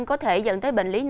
có thể dẫn tới bệnh lý bệnh